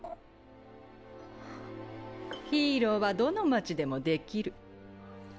ヒーローはどの街でもできる。